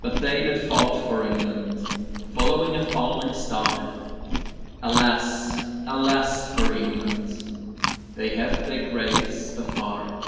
But they that fought for England, Following a falling star, Alas, alas for England They have their graves afar.